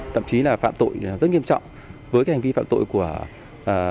tậm chí là phạm tội rất nghiêm trọng với hành vi phạm tội của các đối tượng